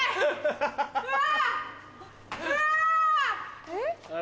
うわ！